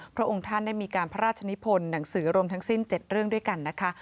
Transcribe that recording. พระองค์ท่านได้มีการพระราชนิพลหนังสือรวมทั้งสิ้น๗เรื่องด้วยกันนะคะ